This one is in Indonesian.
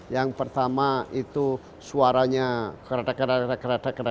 yang pertama itu suaranya keretak keretak